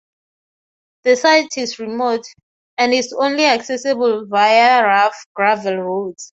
The site is remote, and is only accessible via rough, gravel roads.